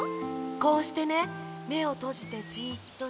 こうしてねめをとじてじっとして。